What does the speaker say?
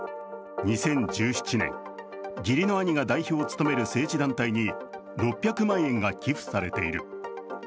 ２０１７年、義理の兄が代表を務める政治団体に６００万円が寄付されている。